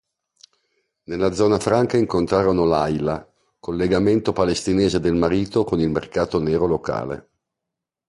Nella zona franca incontrano Laila, collegamento palestinese del marito con il mercato nero locale.